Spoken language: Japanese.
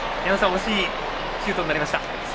惜しいシュートになりました。